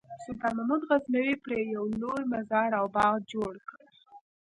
سلطان محمود غزنوي پرې یو لوی مزار او باغ جوړ کړ.